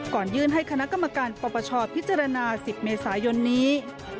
ก่อนยื่นให้คณะกรรมการปปชพิจารณา๑๐เมษายนนี้